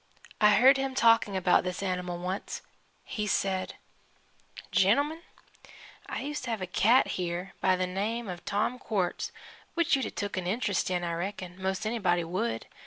I heard him talking about this animal once. He said: "Gentlemen, I used to have a cat here, by the name of Tom Quartz, which you'd 'a' took an interest in, I reckon , most anybody would.